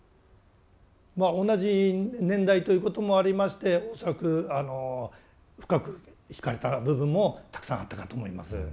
まあ同じ年代ということもありまして恐らく深くひかれた部分もたくさんあったかと思います。